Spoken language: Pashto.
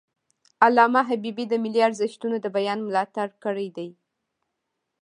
علامه حبیبي د ملي ارزښتونو د بیان ملاتړ کړی دی.